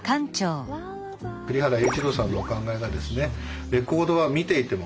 栗原榮一朗さんのお考えがですね